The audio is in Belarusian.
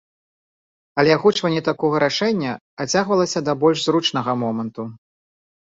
Але агучванне такога рашэння адцягвалася да больш зручнага моманту.